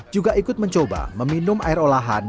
juga ikut mencoba meminum air olahan